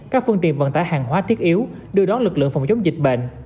các phương tiện vận tải hàng hóa thiết yếu đưa đón lực lượng phòng chống dịch bệnh